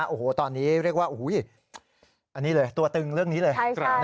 โอ้โหตอนนี้เรียกว่าอันนี้เลยตัวตึงเรื่องนี้เลย